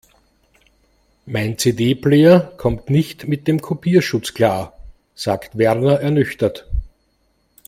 Mein CD-Player kommt nicht mit dem Kopierschutz klar, sagt Werner ernüchtert.